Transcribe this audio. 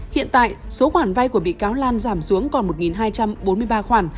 hiện tại số khoản vay của bị cáo lan giảm xuống còn một hai trăm bốn mươi ba khoản